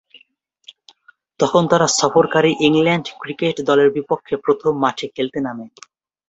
তখন তারা সফরকারী England cricket দলের বিপক্ষে প্রথম মাঠে খেলতে নামে।